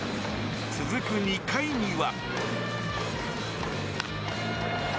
続く２回には。